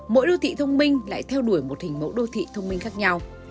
mỗi đô thị thông minh lại theo đuổi một hình mẫu đô thị thông minh khác nhau